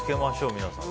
皆さん。